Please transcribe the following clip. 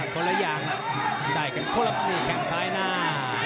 คนละอย่างได้กันคนละปีแค่งซ้ายหน้า